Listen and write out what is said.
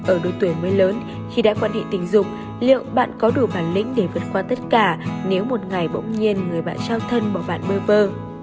ở độ tuổi mới lớn khi đã quan hệ tình dục liệu bạn có đủ bản lĩnh để vượt qua tất cả nếu một ngày bỗng nhiên người bạn trao thân một bạn bơ vơ